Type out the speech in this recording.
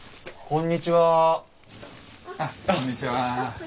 こんにちは